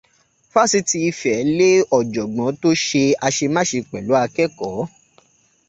Fásitì Ifẹ̀ lé Ọ̀jọ̀gbọ́n tó ṣe aṣemáṣe pẹ̀lú akẹ́kọ̀ọ́.